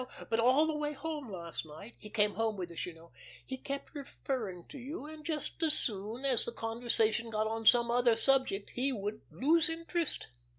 But all the way home last night he came home with us, you know he kept referring to you, and just so soon as the conversation got on some other subject he would lose interest.